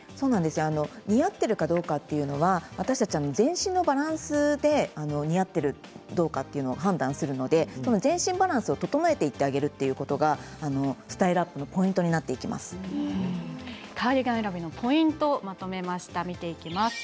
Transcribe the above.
似合ってるかどうかは全身のバランスで似合ってるかどうかを判断するので全身のバランスを整えることがスタイルアップのポイントにカーディガン選びのポイントをまとめました。